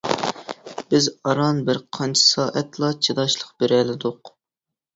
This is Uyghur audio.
بىز ئاران بىرقانچە سائەتلا چىداشلىق بېرەلىدۇق.